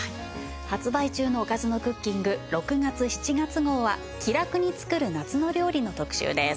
発売中の『おかずのクッキング』６月７月号は「気楽につくる夏の料理」の特集です。